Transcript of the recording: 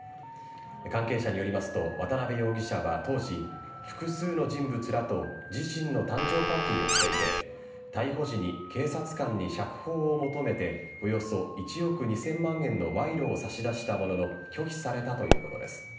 関係者によりますと渡辺容疑者は当時複数の人物らと自身の誕生パーティーをしていて逮捕時に、警察官に釈放を求めておよそ１億２０００万円の賄賂を差し出したものの拒否されたということです。